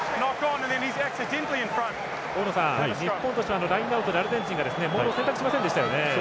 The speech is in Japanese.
大野さん、日本としてはラインアウトでアルゼンチンがモールを選択しませんでしたよね。